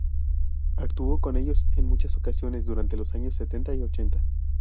Actuó con ellos en muchas ocasiones durante los años setenta y ochenta.